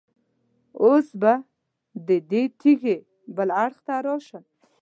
اوس به د دې تیږې بل اړخ ته راشم.